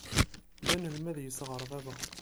D anelmad i yesɣeṛ baba.